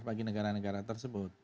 bagi negara negara tersebut